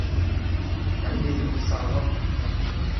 Anda ay tent-tesserɣeḍ?